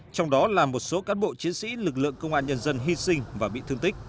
trong đó là một số cán bộ chiến sĩ lực lượng công an nhân dân hy sinh và bị thương tích